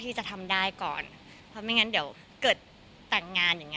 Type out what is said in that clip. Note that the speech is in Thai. แต่ก็ไม่ได้คิดว่ารีบขนาดนั้นเอาชัวร์ดีกว่า